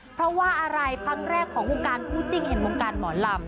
เพราะว่าอะไรครั้งแรกของโครงการผู้จริงและโครงการหมอลำ